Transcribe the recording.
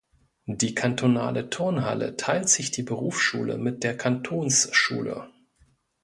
Die kantonale Turnhalle teilt sich die Berufsschule mit der Kantonsschule.